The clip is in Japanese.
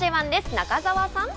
中澤さん。